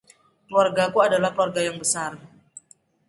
Keluargaku adalah keluarga yang besar.